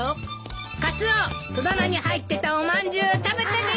カツオ戸棚に入ってたおまんじゅう食べたでしょう！